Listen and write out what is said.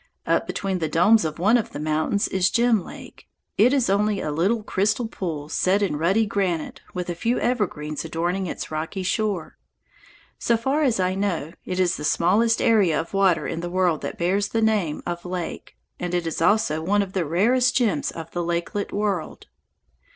Up between the domes of one of the mountains is Gem Lake. It is only a little crystal pool set in ruddy granite with a few evergreens adorning its rocky shore. So far as I know, it is the smallest area of water in the world that bears the name of lake; and it is also one of the rarest gems of the lakelet world.